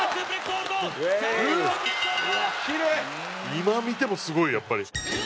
今見てもすごいやっぱり。